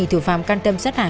thủ phạm can tâm sát hại